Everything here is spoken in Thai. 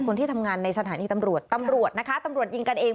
คนที่ทำงานในสถานีตำรวจตำรวจนะคะตำรวจยิงกันเอง